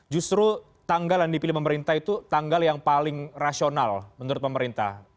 justru tanggal yang dipilih pemerintah itu tanggal yang paling rasional menurut pemerintah